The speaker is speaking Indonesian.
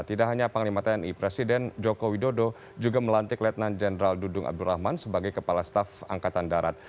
tidak hanya panglima tni presiden joko widodo juga melantik letnan jenderal dudung abdurrahman sebagai kepala staf angkatan darat